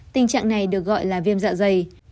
tình trạng này được gọi là viêm dạ dày